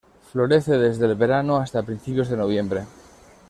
Florece desde el verano hasta principios de noviembre.